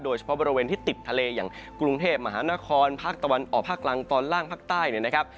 โดยเฉพาะบริเวณที่ติดทะเลอย่างกรุงเทพมหานครภาคตะวันออกภาคกลางตอนล่างภาคใต้เนี่ยนะครับ